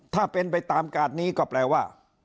ถ้าเป็นไปตามการนี้ก็แปลว่า